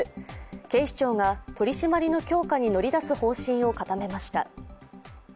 警視庁が取り締まりの強化に乗り出す方針を固めました。